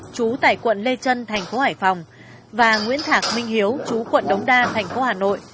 chú tại quận lê trân thành phố hải phòng và nguyễn thạc minh hiếu chú quận đống đa thành phố hà nội